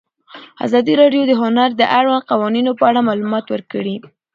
ازادي راډیو د هنر د اړونده قوانینو په اړه معلومات ورکړي.